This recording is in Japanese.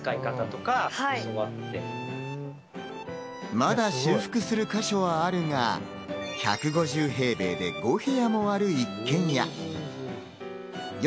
まだ修復する箇所はあるが、１５０平米で５部屋もある一軒家。